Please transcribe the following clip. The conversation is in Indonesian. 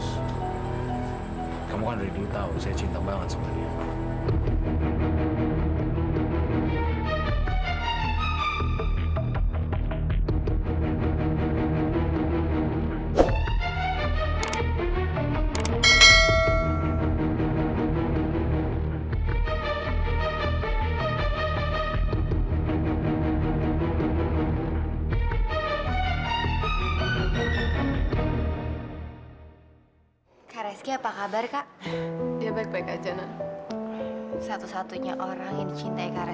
sampai jumpa di video selanjutnya